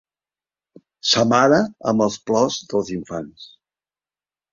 S'amara amb el plors dels infants.